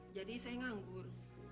jadi saya nganggur